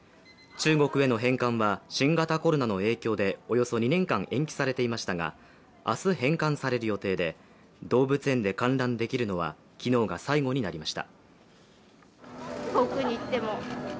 中国への返還は新型コロナの影響でおよそ２年間延期されていましたが明日返還される予定で動物園で観覧できるのは昨日が最後になりました。